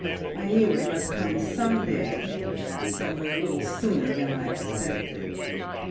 I knew it must come some day. It's only a little sooner than I expected."